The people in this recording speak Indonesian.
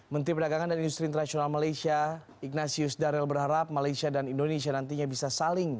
menteri perdagangan dan industri internasional malaysia ignatius darel berharap malaysia dan indonesia nantinya bisa saling